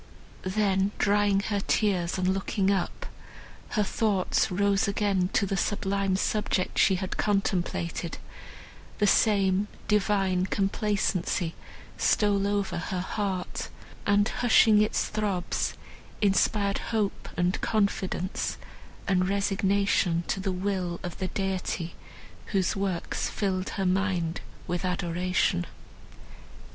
Then drying her tears and looking up, her thoughts rose again to the sublime subject she had contemplated; the same divine complacency stole over her heart, and, hushing its throbs, inspired hope and confidence and resignation to the will of the Deity, whose works filled her mind with adoration.